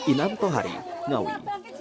inam pohari ngawi